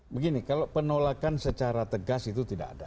begini kalau penolakan secara tegas itu tidak ada